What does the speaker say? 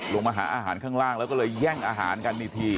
ลงมาหาอาหารข้างล่างแล้วก็เลยแย่งอาหารกันอีกที